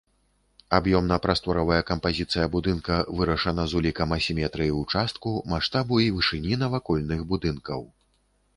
Аб'ёмна-прасторавая кампазіцыя будынка вырашана з улікам асіметрыі ўчастку, маштабу і вышыні навакольных будынкаў.